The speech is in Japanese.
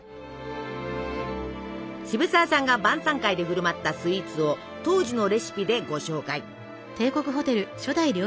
渋沢さんが晩さん会で振る舞ったスイーツを当時のレシピでご紹介！